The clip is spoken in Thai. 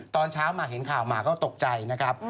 ตอนเช้ามาเห็นข่าวมาก็ตกใจนะครับ